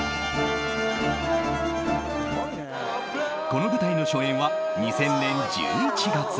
この舞台の初演は２０００年１１月。